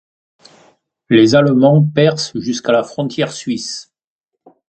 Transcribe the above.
Les Allemands percent jusqu'à la frontière suisse.